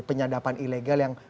penyadapan ilegal yang